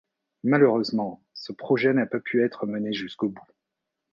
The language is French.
Malheureusement, ce projet n'a pas pu être mené jusqu'au bout.